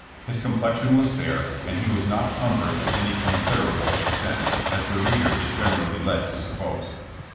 His com plexion was fair, and he was not sunburnt to any considerable extent, as the reader is generally led to suppose.